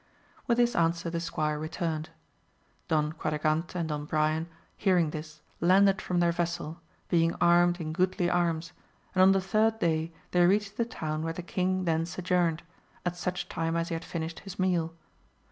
With this answer the squire returned. Don Qua dragante and Don Brian hearing this landed from their vessel, being armed in goodly arms, and on the third day they reached the town where the King then sojourned, at such time as he had finished his meal.